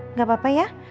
nggak apa apa ya